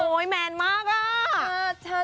โอ๊ยเมนบ์มากน่ะ